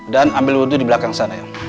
dan ambil wudhu di belakang sana ya